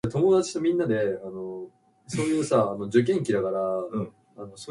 He was fluent in French, German, Spanish, and English and could read Latin.